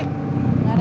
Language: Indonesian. gak ada mikir apa apa